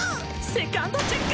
セカンドチェック！